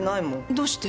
どうして？